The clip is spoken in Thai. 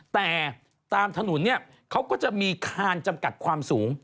แต่ตามถนนเนี่ยเขาก็จะมีคานจำกัดความสูง